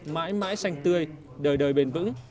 mãi mãi xanh tươi đời đời bền vững